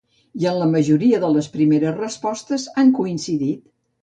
I en la majoria de les primeres respostes han coincidit.